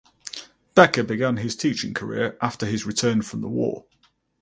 Becker began his teaching career after his return from the war.